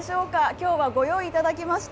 きょうはご用意いただきました。